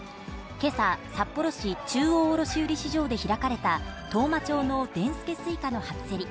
けさ、札幌市中央卸売市場で開かれた当麻町のでんすけすいかの初競り。